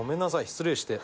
失礼して。